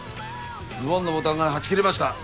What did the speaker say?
ズボンのボタンがはち切れました。